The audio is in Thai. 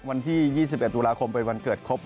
วันที่๒๑ตุลาคมเป็นวันเกิดครบ